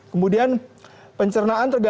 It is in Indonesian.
kemudian pencernaan terganggu